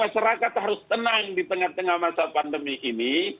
masyarakat harus tenang di tengah tengah masa pandemi ini